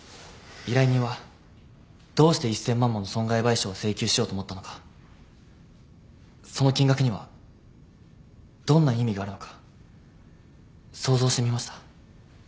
依頼人はどうして１，０００万もの損害賠償を請求しようと思ったのかその金額にはどんな意味があるのか想像してみました。